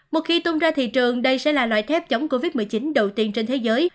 một khi tung ra thị trường đây sẽ là loại thép chống covid một mươi chín đầu tiên trên thế giới